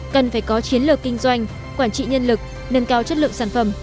cần phải có chiến lược kinh doanh quản trị nhân lực nâng cao chất lượng sản phẩm